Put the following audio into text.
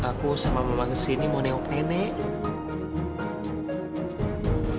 aku sama mama kesini mau neok nenek